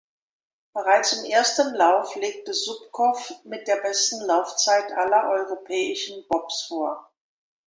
Bereits im ersten Lauf legte Subkow mit der besten Laufzeit aller europäischen Bobs vor.